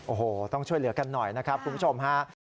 โอ้โหต้องช่วยเหลือกันหน่อยนะครับคุณผู้ชมฮะ